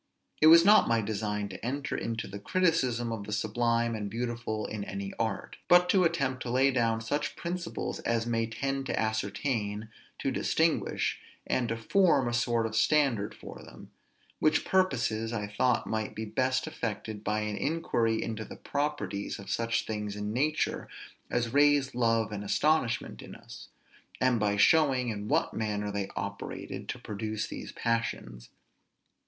It was not my design to enter into the criticism of the sublime and beautiful in any art, but to attempt to lay down such principles as may tend to ascertain, to distinguish, and to form a sort of standard for them; which purposes I thought might be best effected by an inquiry into the properties of such things in nature, as raise love and astonishment in us; and by showing in what manner they operated to produce these passions.